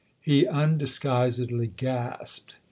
He undisguisedly gasped.